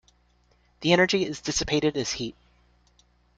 The energy is dissipated as heat.